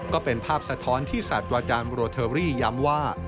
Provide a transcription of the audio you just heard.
ก็เป็นภาพสะท้อนที่สัตว์อาจารย์โรเทอรี่ย้ำว่า